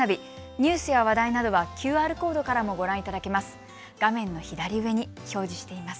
ニュースや話題などはＱＲコードからもご覧いただけます。